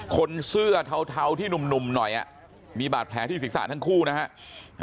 คนเสื้อเทาที่หนุ่มหน่อยมีบาดแผลที่ศีรษะทั้งคู่นะฮะ